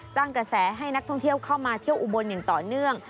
สร้างกระแสให้นักท่องเที่ยวเข้ามาเที่ยวอุบลอย่างต่อเนื่อง